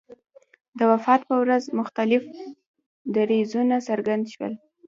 د وفات په ورځ مختلف دریځونه څرګند شول.